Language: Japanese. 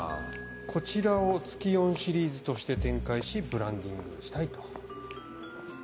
こちらをツキヨンシリーズとして展開しブランディングしたいと。